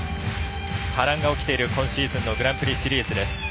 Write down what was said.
波乱が起きている今シーズンのグランプリシリーズです。